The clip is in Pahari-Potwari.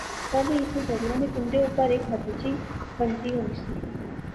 پہلے ایتھیں دریا نے کنڈے اُپر ہیک ہتی جئی بنتی ہوسی